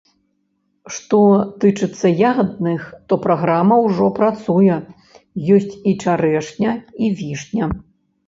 Што тычыцца ягадных, то праграма ўжо працуе, ёсць і чарэшня, і вішня.